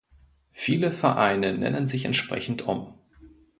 Viele Vereine nennen sich entsprechend um.